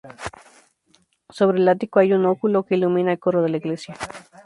Sobre el ático hay un óculo que ilumina el coro de la iglesia.